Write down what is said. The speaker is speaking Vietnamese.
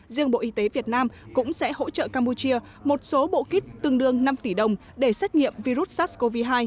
riêng bộ y tế việt nam cũng sẽ hỗ trợ campuchia một số bộ kit tương đương năm tỷ đồng để xét nghiệm virus sars cov hai